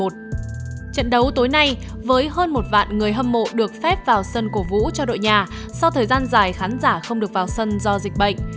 trận đấu tối nay với hơn một vạn người hâm mộ được phép vào sân cổ vũ cho đội nhà sau thời gian dài khán giả không được vào sân do dịch bệnh